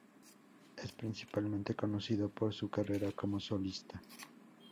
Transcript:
Es principalmente conocido por su carrera como solista.